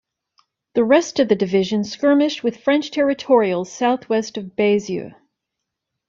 The rest of the division skirmished with French Territorials south-west of Baisieux.